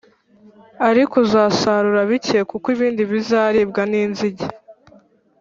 ariko uzasarura bike+ kuko ibindi bizaribwa n’inzige